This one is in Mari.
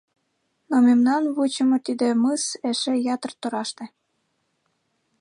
Но мемнан вучымо тиде мыс эше ятыр тораште.